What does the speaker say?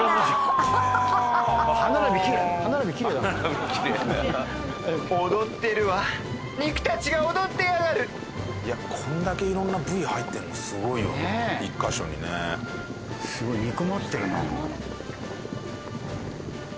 歯並びキレイだな踊ってるわ肉たちが踊ってやがるこんだけ色んな部位入ってるのすごいよな１カ所にねすごい煮込まってるな